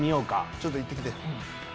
ちょっと行って来て。